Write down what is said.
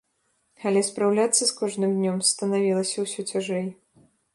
Але спраўляцца з кожным днём станавілася ўсё цяжэй.